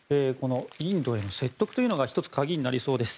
インドへの説得というのが１つ鍵になりそうです。